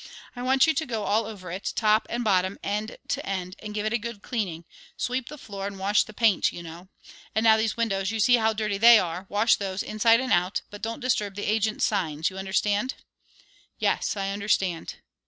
I want you to go all over it, top and bottom, end to end, and give it a good cleaning, sweep the floor, and wash the paint, you know. And now these windows, you see how dirty they are; wash those inside and out, but don't disturb the agents' signs; you understand?" "Yes, I understand."